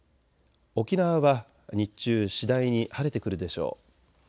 沖縄は日中次第に晴れてくるでしょう。